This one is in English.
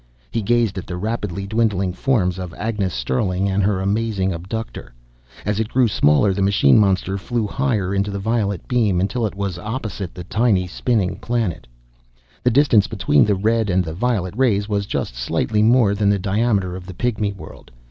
He gazed at the rapidly dwindling forms of Agnes Sterling and her amazing abductor. As it grew smaller, the machine monster flew higher in the violet beam, until it was opposite the tiny, spinning planet. The distance between the red and the violet rays was just slightly more than the diameter of the pygmy world.